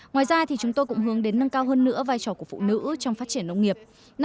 ngoài ra chúng tôi cũng hướng đến nâng cao hơn nữa vai trò của phụ nữ trong phát triển nông nghiệp